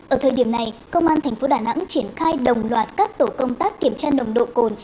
ở thời điểm này công an thành phố đà nẵng triển khai đồng loạt các tổ công tác kiểm tra nồng độ cồn